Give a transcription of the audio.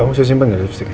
tau gue simpen ga liptiknya